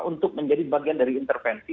untuk menjadi bagian dari intervensi